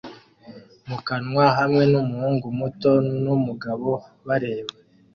mu kanwa hamwe n'umuhungu muto n'umugabo bareba